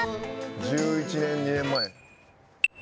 １１１２年前。